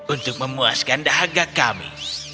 untuk memuaskan dahaga kami